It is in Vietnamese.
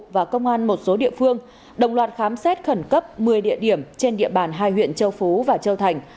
và công an một số địa phương đồng loạt khám xét khẩn cấp một mươi địa điểm trên địa bàn hai huyện châu phú và châu thành